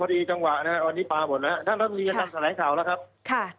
พอดีจังหวะนะครับอันนี้ปลาหมดแล้วนะครับแล้วตอนนี้ยังทำแสนข่าวแล้วครับ